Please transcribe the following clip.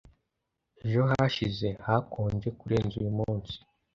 Ejo hashize hakonje kurenza uyumunsi